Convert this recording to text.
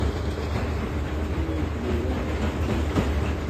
Anwa i d-yuran tiḥkayin-a?